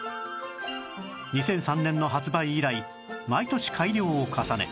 ２００３年の発売以来毎年改良を重ね